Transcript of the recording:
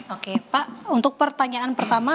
oke pak untuk pertanyaan pertama